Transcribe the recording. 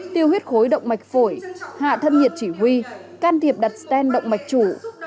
tiêu huyết khối động mạch phổi hạ thân nhiệt chỉ huy can thiệp đặt stent động mạch chủ